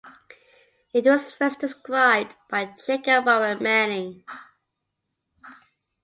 It was first described by Jacob Warren Manning.